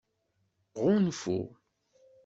Ɣunfu.